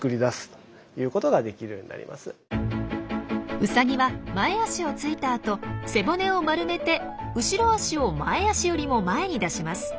ウサギは前足を着いたあと背骨を丸めて後ろ足を前足よりも前に出します。